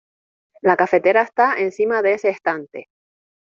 La cafetera está encima de ese estante.